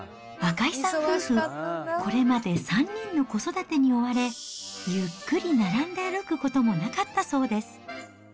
赤井さん夫婦、これまで３人の子育てに追われ、ゆっくり並んで歩くこともなかったそうです。